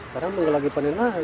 karena belum lagi panen lagi